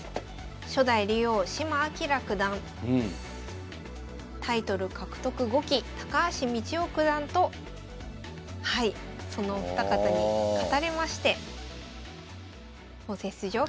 初代竜王タイトル獲得５期高橋道雄九段とそのお二方に勝たれまして本戦出場を決めました。